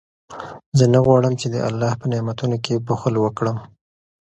زه نه غواړم چې د الله په نعمتونو کې بخل وکړم.